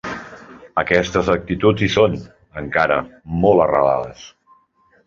Aquestes actituds hi són, encara, molt arrelades.